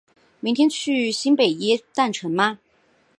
明天去新北耶诞城吗？